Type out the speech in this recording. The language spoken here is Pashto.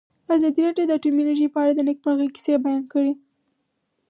ازادي راډیو د اټومي انرژي په اړه د نېکمرغۍ کیسې بیان کړې.